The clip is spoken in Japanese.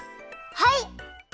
はい！